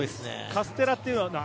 カステラっていうのは？